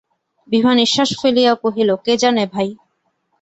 বিভা নিশ্বাস ফেলিয়া কহিল, কে জানে ভাই।